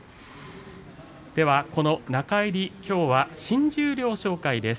では、この中入りきょうは新十両紹介です。